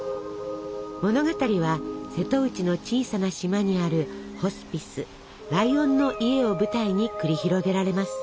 物語は瀬戸内の小さな島にあるホスピス「ライオンの家」を舞台に繰り広げられます。